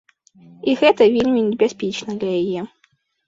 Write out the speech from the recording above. І гэта вельмі небяспечна для яе.